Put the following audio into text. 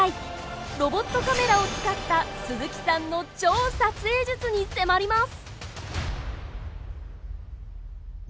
ロボットカメラを使った鈴木さんの超撮影術に迫ります！